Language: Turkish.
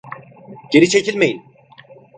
Geri çekilmeyin!